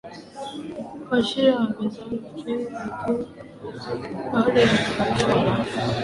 kuwashinda Wabizanti lakini baada ya uhamisho wa